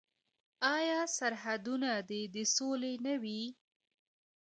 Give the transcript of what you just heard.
آیا سرحدونه دې د سولې نه وي؟